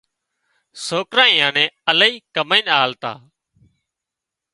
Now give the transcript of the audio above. سوڪرا اين الاهي ڪمائينَ آلتا